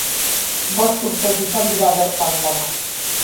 Bost urtez izan dira bertan lanak.